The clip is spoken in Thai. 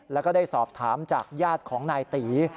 แล้วก็ได้สอบถามจากญาติของนายตี